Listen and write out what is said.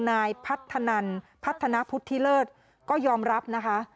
นายพัฒนาพุทธิเลิศก็ยอมรับนะคะ